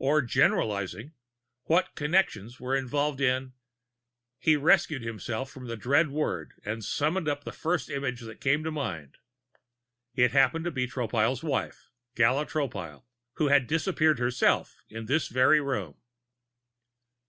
Or, generalizing, what connections were involved in He rescued himself from the dread word and summoned up the first image that came to mind. It happened to be Tropile's wife Gala Tropile, who had disappeared herself, in this very room.